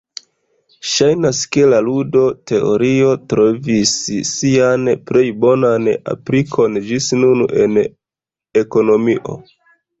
Ŝajnas ke la ludo-teorio trovis sian plej bonan aplikon ĝis nun en ekonomio.